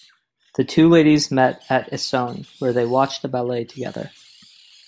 The two ladies met at Essone where they watched a ballet together.